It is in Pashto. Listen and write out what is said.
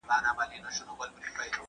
تاسي ولي نن داسي نا وخته راغلاست؟